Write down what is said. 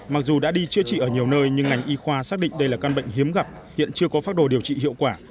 mặc dù đã đi chữa trị ở nhiều nơi nhưng ngành y khoa xác định đây là căn bệnh hiếm gặp hiện chưa có phác đồ điều trị hiệu quả